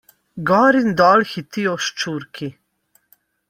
Gor in dol hitijo ščurki.